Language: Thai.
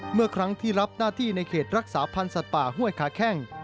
เมื่อครั้งที่รับหน้าที่ในเขตรักษาพันธ์สัตว์ป่าห้วยขาแข้ง